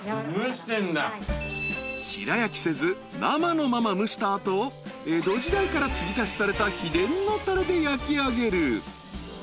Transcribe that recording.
［白焼きせず生のまま蒸した後江戸時代からつぎ足しされた秘伝のたれで焼きあげる］